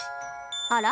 あら？